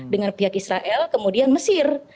dengan pihak israel kemudian mesir